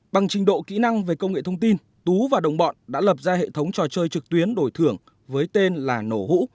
bằng trình độ kỹ năng về công nghệ thông tin tú và đồng bọn đã lập ra hệ thống trò chơi trực tuyến đổi thưởng với tên là nổ hũ